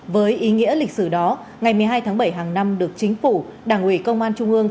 với ý nghĩa lịch sử đó ngày một mươi hai tháng bảy hàng năm được chính phủ đảng ủy công an trung ương